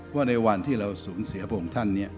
ว่าในวันที่เราสูญเสียพวกของท่านเนี่ย